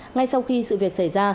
ngay sau khi sự việc xảy ra